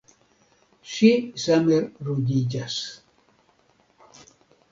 Ŝi same ruĝiĝas.